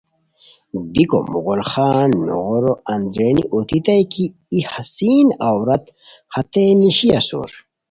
بیکو مغل خان نوغورو اندرینی اوتیتائے کی ای حسین عورت ہتئے نیشی اسور